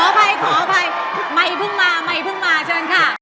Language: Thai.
ขออภัยขออภัยไม่พึ่งมาไม่พึ่งมาเชิญค่ะ